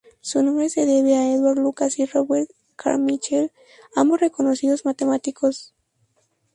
Su nombre se debe a Édouard Lucas y Robert Carmichael, ambos reconocidos matemáticos.